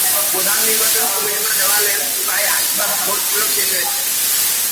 প্রধান নির্বাচন কমিশনার জানালেন, প্রায় আশি ভাগ ভোট প্রয়োগ শেষ হয়েছে।